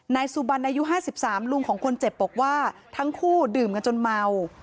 นายสุบันอายุ๕๓ลุงของคนเจ็บบอกว่าทั้งคู่ดื่มกันจนเมา